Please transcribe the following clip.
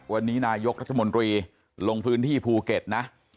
วันนี้นายกรัฐมนตรีลงพื้นที่ภูเก็ตนะ